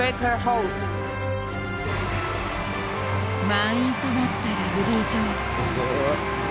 満員となったラグビー場。